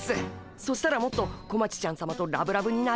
そしたらもっと小町ちゃんさまとラブラブになれるっす。